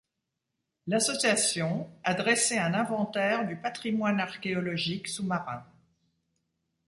L'association a dressé un inventaire du patrimoine archéologique sous-marin.